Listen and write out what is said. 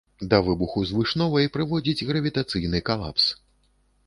Да выбуху звышновай прыводзіць гравітацыйны калапс.